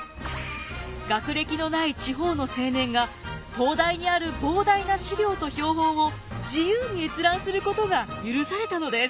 学歴のない地方の青年が東大にある膨大な資料と標本を自由に閲覧することが許されたのです。